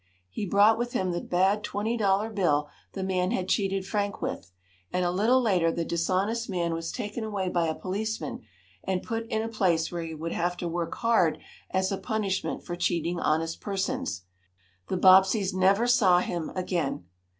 He brought with him the bad twenty dollar bill the man had cheated Frank with, and a little later the dishonest man was taken away by a policeman, and put in a place where he would have to work hard as a punishment for cheating honest persons. The Bobbseys never saw him again.